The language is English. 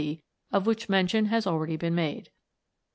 C., of which mention has already been made.